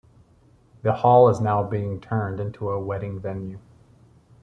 The hall is now being turned into a wedding venue.